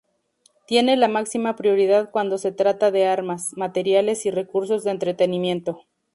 Tiene la máxima prioridad cuando se trata de armas, materiales y recursos de entrenamiento.